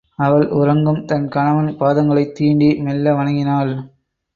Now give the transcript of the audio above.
அவள், உறங்கும் தன் கணவன் பாதங்களைத் தீண்டி மெல்ல வணங்கினாள்.